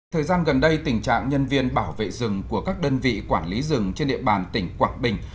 thời gian gần đây tình trạng nhân viên bảo vệ rừng của các đơn vị quản lý rừng trên địa bàn tỉnh quảng bình